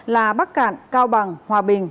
là bắc cạn cao bằng hòa bình